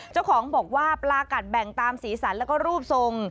เจ้าของบอกว่าปลากัดแบ่งตามสีสันแล้วก็รูปทรง